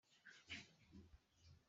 Lehen biak, gizonezkoak izan ziren.